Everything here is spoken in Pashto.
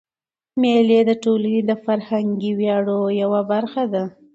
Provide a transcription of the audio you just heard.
مېلې د ټولني د فرهنګي ویاړو یوه برخه ده.